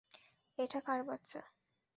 এটা কার বাচ্চা?